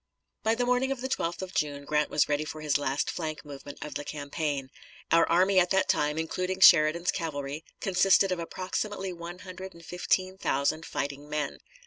By the morning of the 12th of June Grant was ready for his last flank movement of the campaign. Our army at that time, including Sheridan's cavalry, consisted of approximately one hundred and fifteen thousand fighting men.